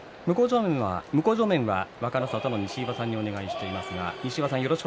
向正面は若の里の西岩さんにお願いしています。